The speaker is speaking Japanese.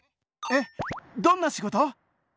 えっどんな仕事？